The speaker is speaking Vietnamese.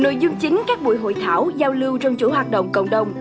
nội dung chính các buổi hội thảo giao lưu trong chủ hoạt động cộng đồng